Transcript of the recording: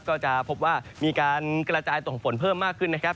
ก็จะพบว่ามีการกระจายตัวของฝนเพิ่มมากขึ้นนะครับ